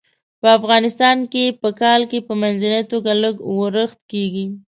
په افغانستان کې په کال کې په منځنۍ توګه لږ ورښت کیږي.